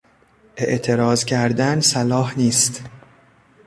اعتراض کردن صلاح نیست.